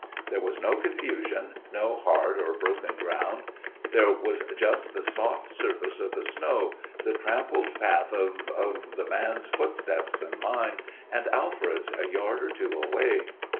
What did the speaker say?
There was no confusion, no hard or broken ground, there was just the soft surface of the snow, the trampled path of of the man's footsteps and mine, and Alfred's a yard or two away."